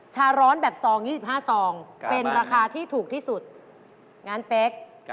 ชาร้อนแบบซอง๒๕ซองเป็นราคาที่ถูกที่สุดงั้นเป๊ก